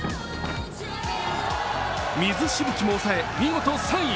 水しぶきも抑え、見事３位。